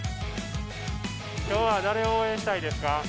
きょうは誰を応援したいですか？